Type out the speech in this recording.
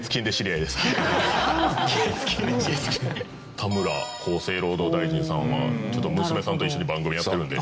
田村厚生労働大臣さんはちょっと娘さんと一緒に番組やってるんで。